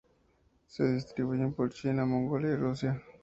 Se distribuyen por China, Mongolia, Rusia.